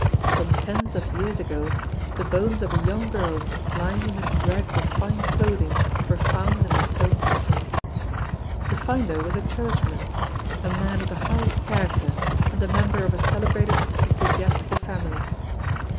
Some tens of years ago the bones of a young girl lying amidst rags of fine clothing were found in the stone coffin. The finder was a churchman a man of the highest character and a member of a celebrated ecclesiastical family.